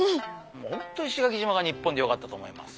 もう本当石垣島が日本でよかったと思います。